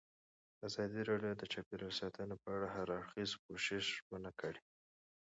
ازادي راډیو د چاپیریال ساتنه په اړه د هر اړخیز پوښښ ژمنه کړې.